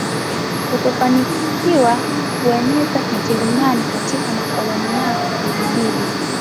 kutofanilikiwa kueneza Kijerumani katika makoloni yao ilibidi